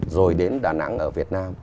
rồi đến đà nẵng ở việt nam